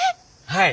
はい！